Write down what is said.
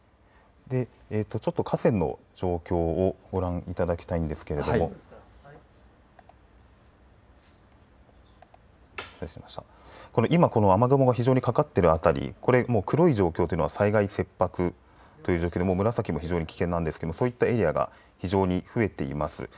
河川の状況をご覧いただきたいんですけれども今、この雨雲が非常にかかっているあたり黒い状況というのは災害切迫という状況で紫も非常に危険ですがそういうエリアが非常に増えています。